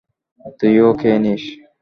তুইও খেয়ে নিস।